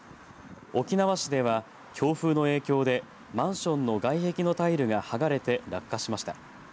沖縄市では強風の影響でマンションの外壁のタイルが剥がれて、落下しました。